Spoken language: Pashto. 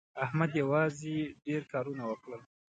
احمد یوازې ډېر کارونه وکړل.